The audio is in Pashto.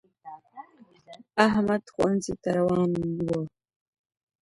احمد ښونځی تا روان وو